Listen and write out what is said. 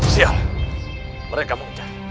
sial mereka mengejar